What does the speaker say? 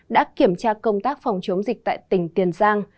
đã kiểm tra công tác phòng chống dịch tại tỉnh tiền giang